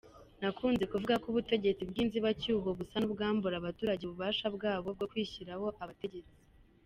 Nakunze kuvugako ubutegetsi bw’inzibacyuho busa nubwambura abaturage ububasha bwabo bwo kwishyiriraho abategetsi.